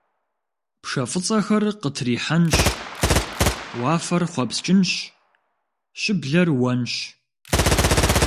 Пшэ фӏыцӏэхэр къытрихьэнщ, уафэр хъуэпскӏынщ, щыблэр уэнщ.